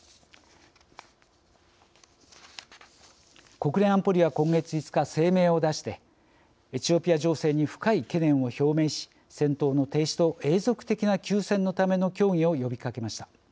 国連安保理は今月５日声明を出してエチオピア情勢に深い懸念を表明し戦闘の停止と永続的な休戦のための協議を呼びかけました。